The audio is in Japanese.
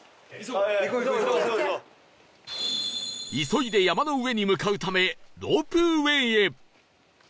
急いで山の上に向かうためロープウェイへ